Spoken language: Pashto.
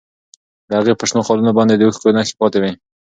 د هغې په شنو خالونو باندې د اوښکو نښې پاتې وې.